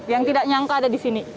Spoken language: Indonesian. yang tidak nyangka ada di sini